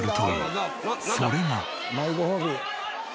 それが。